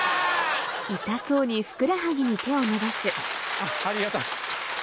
あっありがとう。